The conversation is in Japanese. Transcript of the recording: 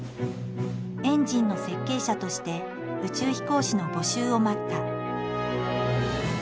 エンジンの設計者として宇宙飛行士の募集を待った。